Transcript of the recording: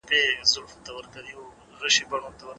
نړیوال سوداګریز فعالیتونه اړیکي غښتلي کوي.